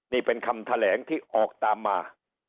นี่เป็นคำแถลงที่ออกตามมา